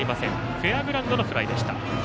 フェアグラウンドのフライでした。